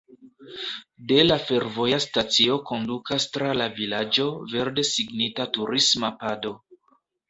De la fervoja stacio kondukas tra la vilaĝo verde signita turisma pado.